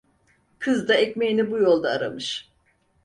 Kız da ekmeğini bu yolda aramış.